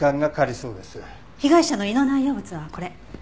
被害者の胃の内容物はこれ。